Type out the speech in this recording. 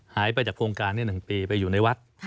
หายไปจากโครงการนี้๑ปีไปอยู่ในวัด